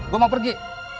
gua mau pergi